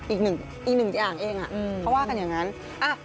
อีกหนึ่งอีกหนึ่งอย่างเองเขาว่ากันอย่างนั้น